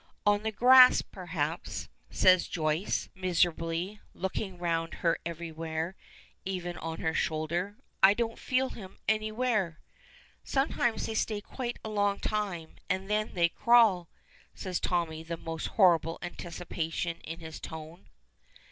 "On the grass, perhaps," says Joyce, miserably, looking round her everywhere, and even on her shoulder. "I don't feel him anywhere." "Sometimes they stay quite a long time, and then they crawl!" says Tommy, the most horrible anticipation in his tone.